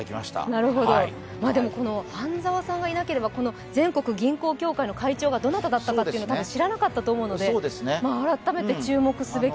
でも、この半沢さんがいなければ、全国銀行協会の会長がどなただったのか多分知らなかったと思うので、改めて注目すべき。